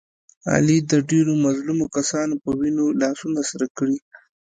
علي د ډېرو مظلومو کسانو په وینو لاسونه سره کړي.